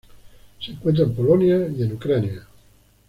Se encuentra en Polonia y en Ucrania.